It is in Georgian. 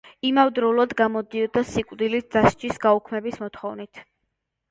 იმავდროულად, გამოდიოდა სიკვდილით დასჯის გაუქმების მოთხოვნით.